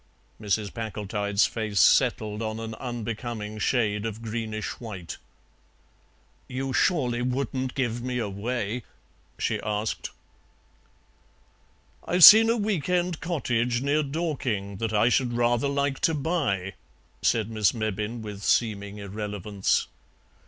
Mrs. Packletide's face settled on an unbecoming shade of greenish white. "You surely wouldn't give me away?" she asked. "I've seen a week end cottage near Dorking that I should rather like to buy," said Miss Mebbin with seeming irrelevance.